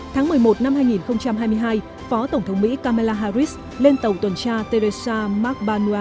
tháng một mươi một năm hai nghìn hai mươi hai phó tổng thống mỹ kamala harris lên tàu tuần tra teresa magbanua do nhật bản sản xuất